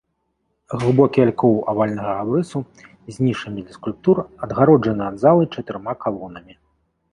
Глыбокі алькоў авальнага абрысу з нішамі для скульптур адгароджаны ад залы чатырма калонамі.